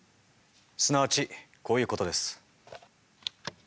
すなわちこういうことです。